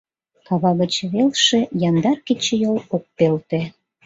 Кава гыч велше яндар кечыйол ок пелте.